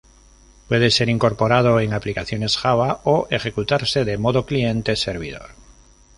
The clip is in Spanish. Puede ser incorporado en aplicaciones Java o ejecutarse de modo cliente-servidor.